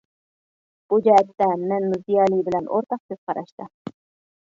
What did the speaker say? بۇ جەھەتتە مەنمۇ زىيالىي بىلەن ئورتاق كۆز قاراشتا.